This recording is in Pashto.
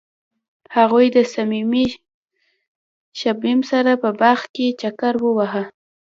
هغوی د صمیمي شمیم سره په باغ کې چکر وواهه.